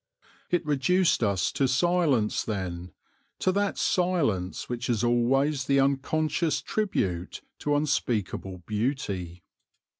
It reduced us to silence then, to that silence which is always the unconscious tribute to unspeakable beauty.